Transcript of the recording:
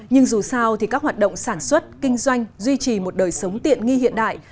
nhưng dù sao thì các hoạt động sản xuất kinh doanh duy trì một đời sống tiện nghi hiện đại